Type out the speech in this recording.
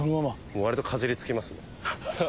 もう割とかじりつきますね。